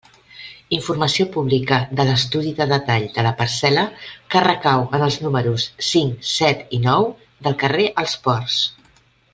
Informació pública de l'estudi de detall de la parcel·la que recau en els números cinc, set i nou del carrer Els Ports.